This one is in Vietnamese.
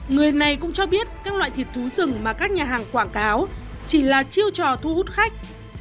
người này cũng cho biết các loại thịt thú rừng mà các nhà hàng quảng cáo chỉ là chiêu trò thu hút khách